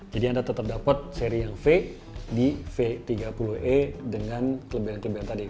jadi anda tetap dapet seri yang v di v tiga puluh e dengan kelebihan kelebihan tadi